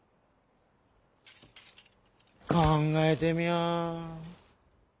考えてみやあ。